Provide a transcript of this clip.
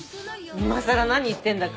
今更何言ってんだか。